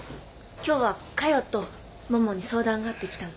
今日はかよとももに相談があって来たの。